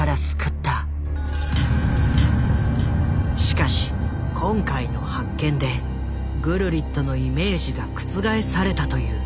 しかし今回の発見でグルリットのイメージが覆されたという。